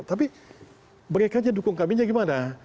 tapi mereka yang mendukung kami bagaimana